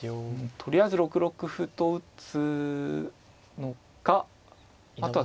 とりあえず６六歩と打つのかあとは。